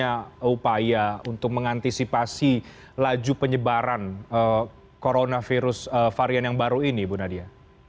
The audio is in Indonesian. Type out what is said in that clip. apakah ada kemampuan atau keupayaan untuk mengantisipasi laju penyebaran corona virus varian yang baru ini bu nadia